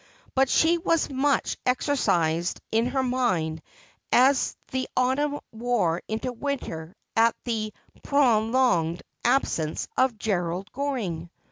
But she was much exercised in her mind as the autumn wore into winter at the prolonged absence of Gerald Goring.